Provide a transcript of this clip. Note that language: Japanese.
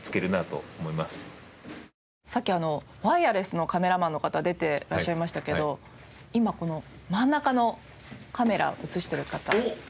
さっきワイヤレスのカメラマンの方出てらっしゃいましたけど今この真ん中のカメラを映してる方。